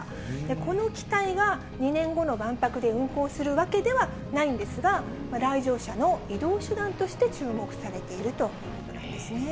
この機体が２年後の万博で運航するわけではないんですが、来場者の移動手段として注目されているということなんですね。